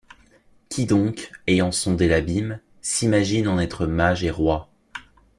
Qui donc, ayant sondé l’abîme, s’imagineEn être mage et roi?